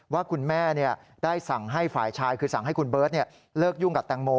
ว่าคุณแม่ได้สั่งให้ฝ่ายชายคือสั่งให้คุณเบิร์ตเลิกยุ่งกับแตงโม